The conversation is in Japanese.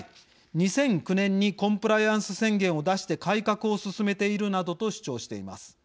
２００９年にコンプライアンス宣言を出して改革を進めている」などと主張しています。